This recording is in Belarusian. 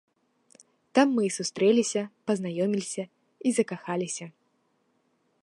Там мы і сустрэліся, пазнаёміліся і закахаліся.